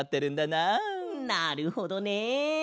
なるほどね。